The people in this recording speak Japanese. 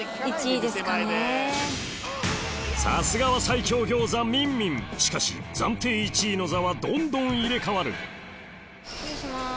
さすがは最強餃子みんみんしかし暫定１位の座はどんどん入れ替わる失礼します。